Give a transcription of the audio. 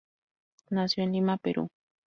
Nació en Lima, Perú.